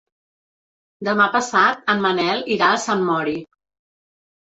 Demà passat en Manel irà a Sant Mori.